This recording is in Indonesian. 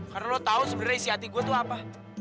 karena lu tau sebenernya isi hati gue tuh apa